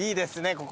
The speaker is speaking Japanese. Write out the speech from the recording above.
ここ？